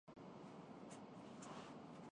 ارے بھئی جب ہم سانس باہر نکالتے ہیں